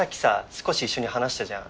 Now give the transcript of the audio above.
少し一緒に話したじゃん